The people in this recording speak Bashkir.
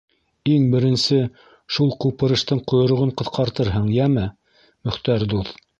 Иң беренсе шул ҡупырыштың ҡойроғон ҡыҫҡартырһың, йәме, Мөхтәр дуҫ!